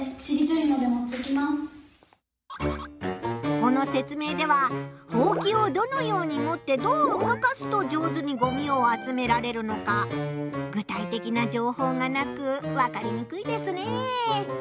この説明ではほうきをどのように持ってどう動かすと上手にごみを集められるのか具体的な情報がなく分かりにくいですね。